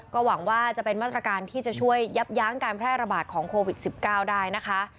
ก็หวังว่าจะเป็นมาตรการที่จะช่วยยับยั้งการแพร่ระบาดของโควิด๑๙ได้นะคะ